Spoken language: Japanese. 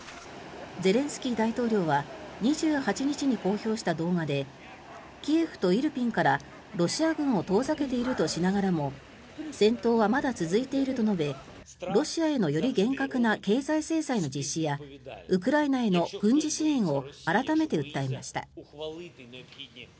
ゼレンスキー大統領は２８日に公表した動画でキエフとイルピンからロシア軍を遠ざけているとしながらも戦闘はまだ続いていると述べロシアへのより厳格な経済制裁の実施やウクライナへの軍事支援を改めて訴えました。